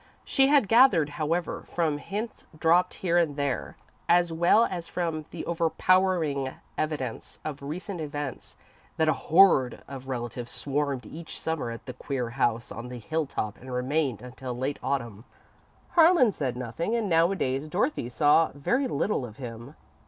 She had gathered, however, from hints dropped here and there, as well as from the overpowering evidence of recent events, that a horde of relatives swarmed each Summer at the queer house on the hilltop and remained until late Autumn. Harlan said nothing, and nowadays Dorothy saw very little of him.